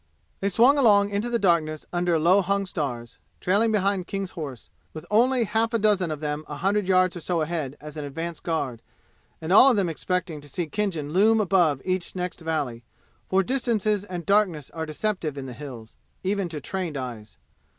They swung along into the darkness under low hung stars, trailing behind King's horse, with only half a dozen of them a hundred yards or so ahead as an advance guard, and all of them expecting to see Khinjan loom above each next valley, for distances and darkness are deceptive in the "Hills," even to trained eyes.